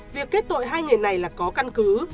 việc kết tội hai người này là có căn cứ